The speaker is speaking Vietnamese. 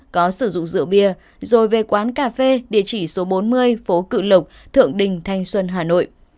có sử dụng rượu bia rồi về quán cà phê địa chỉ số bốn mươi phố cự lộc thượng đình thanh xuân hà nội